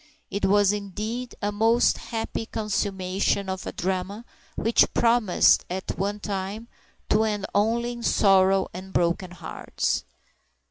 It was, indeed, a most happy consummation of a drama which promised, at one time, to end only in sorrow and broken hearts.